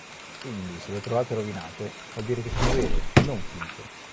Quindi se le trovate rovinate vuol dire che sono vere e non finte.